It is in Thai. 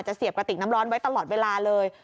เสียบกระติกน้ำร้อนไว้ตลอดเวลาเลย